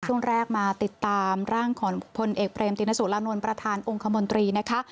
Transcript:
ช่วงแรกมาติดตามร่างของพลเอกเบรมตินสุรานนท์ประธานองค์คมนตรีนะคะ